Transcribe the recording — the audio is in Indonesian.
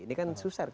ini kan susah